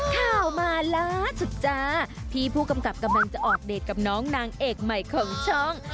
ข่าวมาล่าสุดจ้าพี่ผู้กำกับกำลังจะออกเดทกับน้องนางเอกใหม่ของช่อง